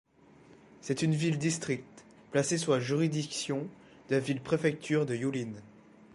C'est une ville-district placée sous la juridiction de la ville-préfecture de Yulin.